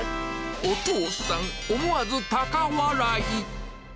お父さん、思わず高笑い。